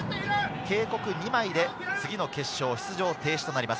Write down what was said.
警告２枚で次の決勝、出場停止となります。